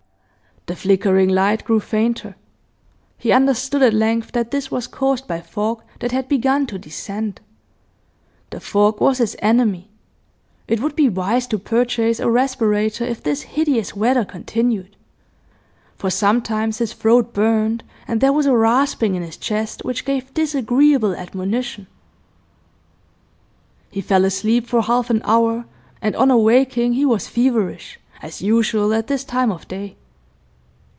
The flickering light grew fainter; he understood at length that this was caused by fog that had begun to descend. The fog was his enemy; it would be wise to purchase a respirator if this hideous weather continued, for sometimes his throat burned, and there was a rasping in his chest which gave disagreeable admonition. He fell asleep for half an hour, and on awaking he was feverish, as usual at this time of day.